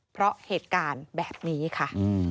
เพราะเหตุการณ์แบบนี้ค่ะ